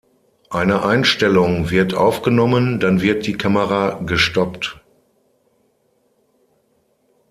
Eine Einstellung wird aufgenommen, dann wird die Kamera gestoppt.